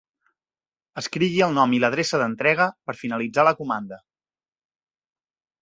Escrigui el seu nom i l'adreça d'entrega per finalitzar la comanda.